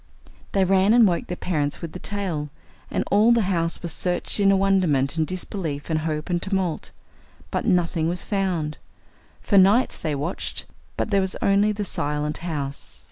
They ran and woke their parents with the tale, and all the house was searched in a wonderment, and disbelief, and hope, and tumult! But nothing was found. For nights they watched. But there was only the silent house.